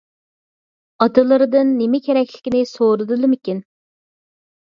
ئاتىلىرىدىن نېمە كېرەكلىكىنى سورىدىلىمىكىن.